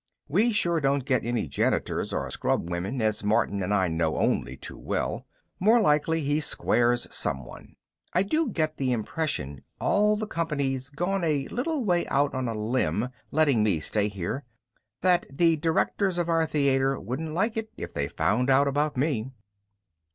We sure don't get any janitors or scrubwomen, as Martin and I know only too well. More likely he squares someone. I do get the impression all the company's gone a little way out on a limb letting me stay here that the directors of our theater wouldn't like it if they found out about me.